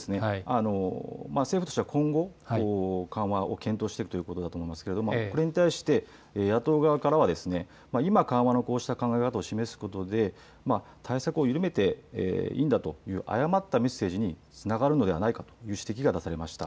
政府としては今後、緩和を検討していくということだと思いますけれども、これに対して、野党側からは今、緩和のこうした考え方を示すことで、対策を緩めていいんだという誤ったメッセージにつながるのではないかという指摘が出されました。